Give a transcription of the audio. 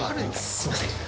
すみません